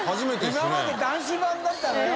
今まで男子版だったのよ。